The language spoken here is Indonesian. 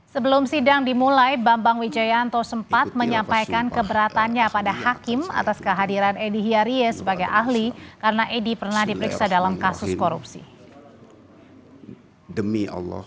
sebelum sidang dimulai bambang wijayanto sempat menyampaikan keberatannya pada hakim atas kehadiran edi hiarie sebagai ahli karena edi pernah diperiksa dalam kasus korupsi